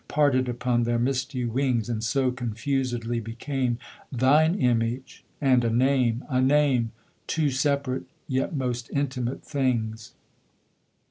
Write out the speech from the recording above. Parted upon their misty wings, And, so, confusedly, became Thine image, and a name a name! Two separate yet most intimate things.